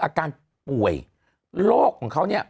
อาการป่วยโรคของเขาเนี่ย